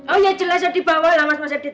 oh ya jelas ya di bawah lah mas masyadit